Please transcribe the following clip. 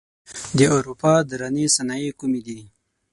د اروپا درنې صنایع کومې دي؟